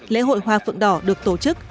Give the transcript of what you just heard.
lễ hội hoa phượng đỏ được tổ chức